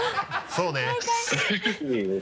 そうね。